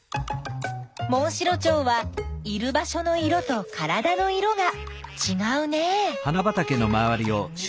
モンシロチョウはいる場所の色とからだの色がちがうね。